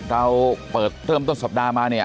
เราเปิดเริ่มต้นสัปดาห์มาเนี่ย